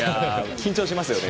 緊張しますよね。